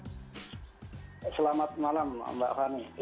selamat malam mbak fani